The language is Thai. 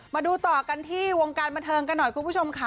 มาดูต่อกันที่วงการบันเทิงกันหน่อยคุณผู้ชมค่ะ